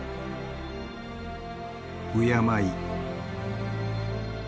敬い。